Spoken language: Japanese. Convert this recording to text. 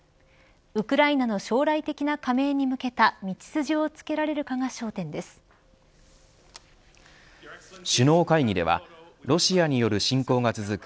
ウクライナの将来的な加盟に向けた道筋を首脳会議ではロシアによる侵攻が続く